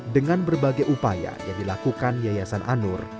dengan berbagai upaya yang dilakukan yayasan anur